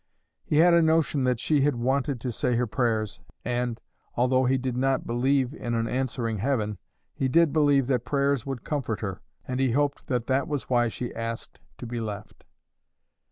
He had a notion that she had wanted to say her prayers, and, although he did not believe in an answering Heaven, he did believe that prayers would comfort her, and he hoped that that was why she asked to be left.